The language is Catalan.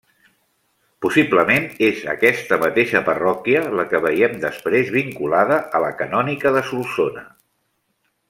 Possiblement és aquesta mateixa parròquia la que veiem després vinculada a la canònica de Solsona.